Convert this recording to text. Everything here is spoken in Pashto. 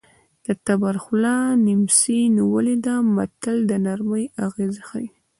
د تبر خوله نیمڅي نیولې ده متل د نرمۍ اغېز ښيي